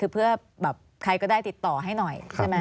เพื่อใครก็ได้ติดต่อให้หน่อย